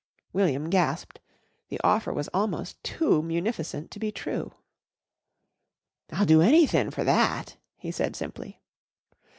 William gasped. The offer was almost too munificent to be true. "I'll do anythin' for that," he said simply.